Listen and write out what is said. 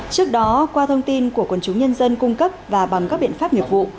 trước đó qua thông tin của quân chú nhân dân cung cấp và bằng các biện pháp nghiệp vụ